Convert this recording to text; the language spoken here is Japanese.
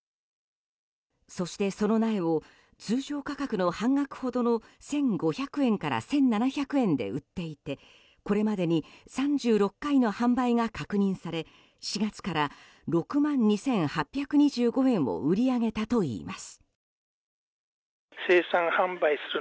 そして、その苗を通常価格の半額ほどの１５００円から１７００円で売っていてこれまでに３６回の販売が確認され４月から６万２８２５円を売り上げたといいます。